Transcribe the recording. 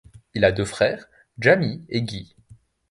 Il a deux frères Jamie et Guy.